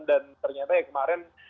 dan ternyata ya kemarin